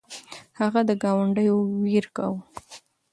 هغه د ګاونډیو ویر کاوه.